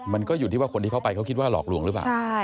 มันก็อยู่ที่ว่าคนที่เขาไปเขาคิดว่าหลอกลวงหรือเปล่า